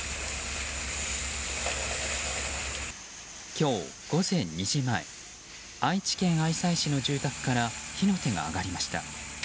今日、午前２時前愛知県愛西市の住宅から火の手が上がりました。